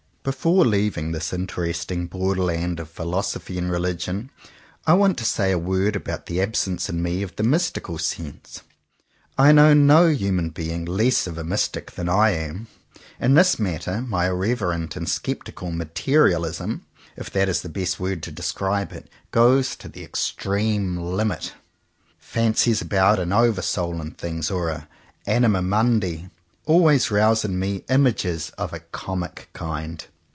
Before leaving this interesting borderland of philosophy and religion, I want to say a word about the absence in me of the mystical sense. I know no human being less of a mystic than I am. In this matter my irreverent and sceptical "materialism" — if that is the best word to describe it — goes to the extreme limit. Fancies about an over soul in things, or an "anima mundi," always rouse in me images of a comic kind.